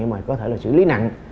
mà có thể là sử lý nặng